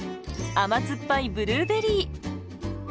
甘酸っぱいブルーベリー。